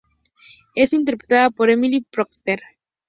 Es interpretada por Emily Procter.